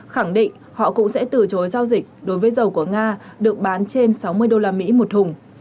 khẳng định họ cũng sẽ từ chối giao dịch đối với dầu của nga được bán trên sáu mươi đô la mỹ một thùng